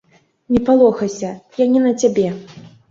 Не палохайся, я не на цябе!